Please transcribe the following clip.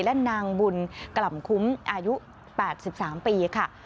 และนางบุญกล่ำคุ้มอายุ๘๓ปีค่ะ